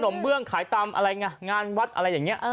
ขนมเบื้องขายตามไงงานวัดอะไรแบบนี้